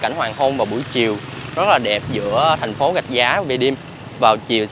cảnh hoàng hôn vào buổi chiều rất là đẹp giữa thành phố gạch giá và bìa điêm vào chiều sẽ